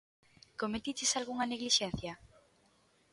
Cometiches algunha neglixencia?